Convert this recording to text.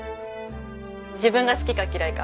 自分が好きか嫌いか。